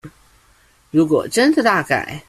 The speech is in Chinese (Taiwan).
如果真的大改